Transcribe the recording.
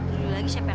terima kasih pak